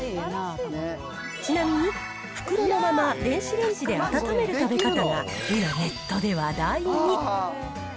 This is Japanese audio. ちなみに袋のまま電子レンジで温める食べ方が今、ネットで話題に。